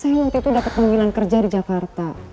saya waktu itu dapet pembinaan kerja di jakarta